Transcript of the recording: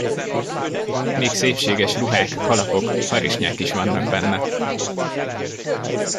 Még szépséges ruhák, kalapok, harisnyák is vannak benne!